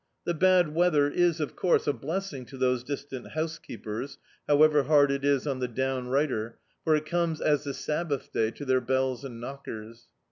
The bad weather is, of course, a blessing to those distant housekeepers, however hard it is on the "down rioter," for it comes as the Sabbath day to their bells and knockers.